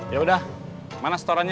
yaudah mana setorannya